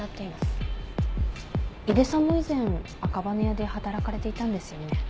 井手さんも以前赤羽屋で働かれていたんですよね？